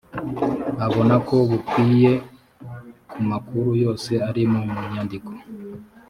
abona ko bukwiye ku makuru yose ari muri nyandiko